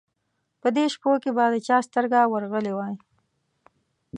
په دې شپو کې به د چا سترګه ورغلې وای.